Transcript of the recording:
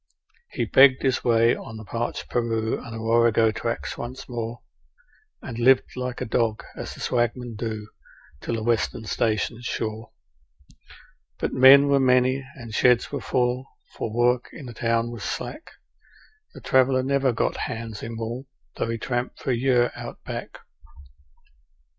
He begged his way on the parched Paroo and the Warrego tracks once more, And lived like a dog, as the swagmen do, till the Western stations shore; But men were many, and sheds were full, for work in the town was slack The traveller never got hands in wool, though he tramped for a year Out Back.